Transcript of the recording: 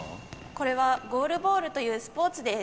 これはゴールボールというスポーツです。